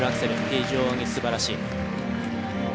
非常に素晴らしい。